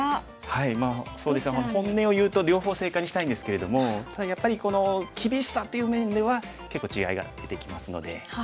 まあ本音を言うと両方正解にしたいんですけれどもただやっぱりこの厳しさっていう面では結構違いが出てきますので。